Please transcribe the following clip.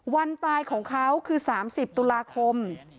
วันตายของเขาคือ๓๐ตุลาคม